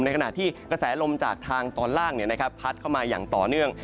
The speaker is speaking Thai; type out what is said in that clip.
ขณะที่กระแสลมจากทางตอนล่างพัดเข้ามาอย่างต่อเนื่อง